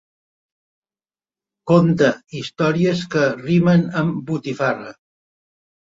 Conta històries que rimen amb botifarra.